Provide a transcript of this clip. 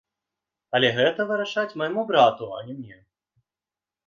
Але гэта вырашаць майму брату, а не мне.